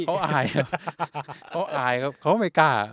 เขาอายเขาอายเขาไม่กล้า